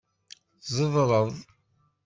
Tzedreḍ.